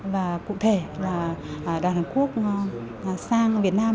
và cụ thể là đoàn hàn quốc sang việt nam